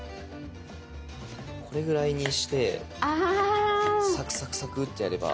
これぐらいにしてサクサクサクっとやれば。